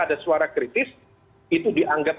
ada suara kritis itu dianggap